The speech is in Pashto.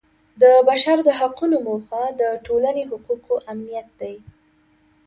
د بشر د حقونو موخه د ټولنې حقوقو امنیت دی.